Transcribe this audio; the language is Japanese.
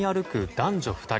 男女２人。